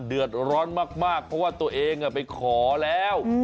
เดือดร้อนมากเพราะว่าตัวเองไปขอแล้ว